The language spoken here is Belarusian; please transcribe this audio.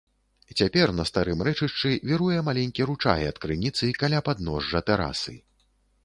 Цяпер на старым рэчышчы віруе маленькі ручай ад крыніцы каля падножжа тэрасы.